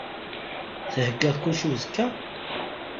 Theyyaḍ kullec i uzekka?